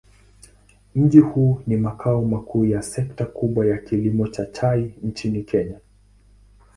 Mji huu ni makao makuu ya sekta kubwa ya kilimo cha chai nchini Kenya.